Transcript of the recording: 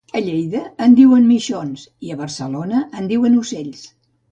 A Lleida es diuen mixons i a Barcelona es diuen ocells